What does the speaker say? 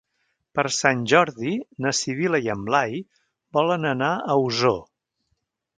Per Sant Jordi na Sibil·la i en Blai volen anar a Osor.